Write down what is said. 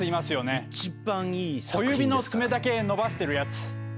小指の爪だけ伸ばしてるやつ。